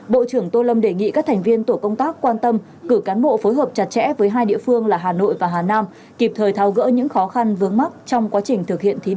bộ trưởng tô lâm đề nghị các thành viên tổ công tác quan tâm cử cán bộ phối hợp chặt chẽ với hai địa phương là hà nội và hà nam kịp thời thao gỡ những khó khăn vướng mắt trong quá trình thực hiện thí điểm